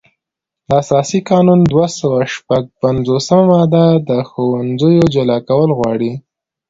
د اساسي قانون دوه سوه شپږ پنځوسمه ماده د ښوونځیو جلا کول غواړي.